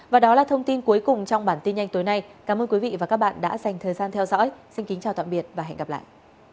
và đó là thông tin cuối cùng trong bản tin nhanh tối nay cảm ơn quý vị và các bạn đã dành thời gian theo dõi xin kính chào tạm biệt và hẹn gặp lại